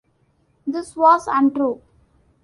This was untrue.